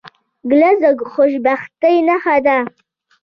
ګیلاس د خوشبختۍ نښه ده.